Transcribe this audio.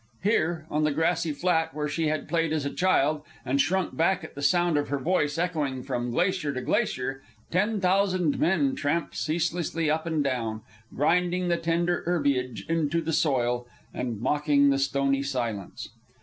Here, on the grassy flat, where she had played as a child and shrunk back at the sound of her voice echoing from glacier to glacier, ten thousand men tramped ceaselessly up and down, grinding the tender herbage into the soil and mocking the stony silence.